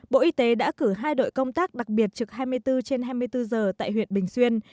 bộ y tế đã cử hai đội công tác đặc biệt trực hai mươi bốn trên hai mươi bốn giờ tại huyện bình xuyên